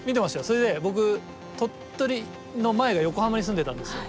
それで僕鳥取の前が横浜に住んでたんですよ。